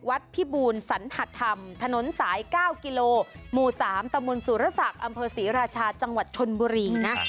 พิบูลสันหธรรมถนนสาย๙กิโลหมู่๓ตะมนต์สุรศักดิ์อำเภอศรีราชาจังหวัดชนบุรีนะ